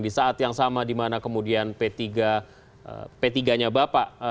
di saat yang sama dimana kemudian p tiga nya bapak